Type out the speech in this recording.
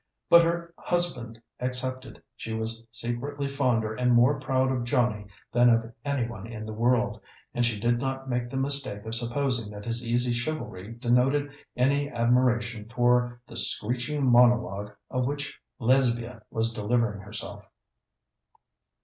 But, her husband excepted, she was secretly fonder and more proud of Johnnie than of any one in the world, and she did not make the mistake of supposing that his easy chivalry denoted any admiration for the screeching monologue of which Lesbia was delivering herself.